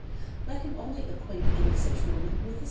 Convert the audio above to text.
Let him only acquaint any such woman with his.